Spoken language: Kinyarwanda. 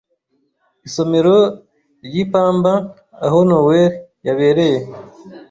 isomero ryipamba aho Nowell yabereye